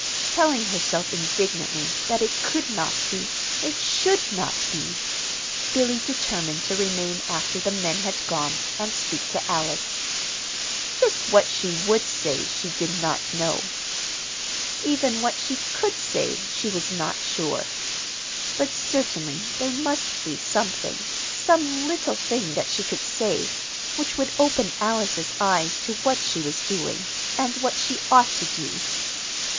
Telling herself indignantly that it could not be, it should not be, Billy determined to remain after the men had gone, and speak to Alice. Just what she would say she did not know. Even what she could say, she was not sure. But certainly there must be something, some little thing that she could say, which would open Alice's eyes to what she was doing, and what she ought to do.